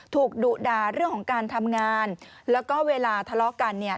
ดุด่าเรื่องของการทำงานแล้วก็เวลาทะเลาะกันเนี่ย